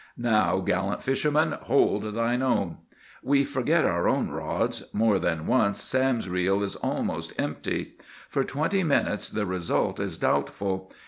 Now, gallant fisherman, hold thine own! We forget our own rods. More than once Sam's reel is almost empty. For twenty minutes the result is doubtful.